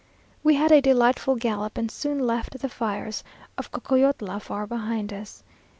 We had a delightful gallop, and soon left the fires of Cocoyotla far behind us.